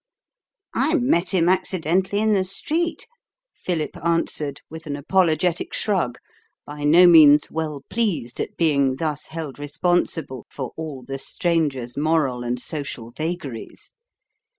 "I met him accidentally in the street," Philip answered, with an apologetic shrug, by no means well pleased at being thus held responsible for all the stranger's moral and social vagaries.